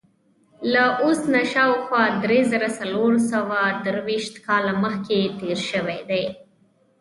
له اوس نه شاوخوا درې زره څلور سوه درویشت کاله مخکې تېر شوی دی.